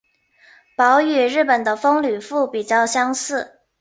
褓与日本的风吕敷比较相似。